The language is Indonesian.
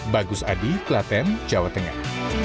bagus adi klaten jawa tengah